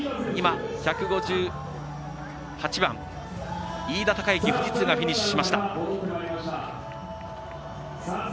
１５８番、飯田貴之富士通がフィニッシュ。